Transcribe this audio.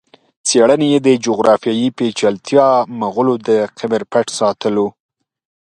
څېړني یې د جغرافیایي پېچلتیا، مغولو د قبر پټ ساتلو